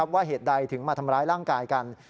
ว่าเหตุใดถึงมาทำร้ายร่างกายกัน